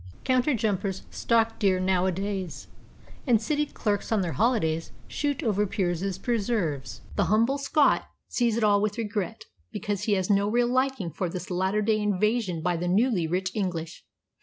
Counter jumpers stalk deer nowadays, and city clerks on their holidays shoot over peers' preserves. The humble Scot sees it all with regret, because he has no real liking for this latter day invasion by the newly rich English.